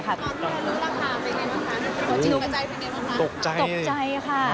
ตอนที่เรารู้ราคาเป็นยังไงบ้างคะคุณผู้ชมกับใจเป็นยังไงบ้างคะ